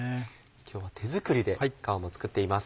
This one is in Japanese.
今日は手作りで皮も作っています。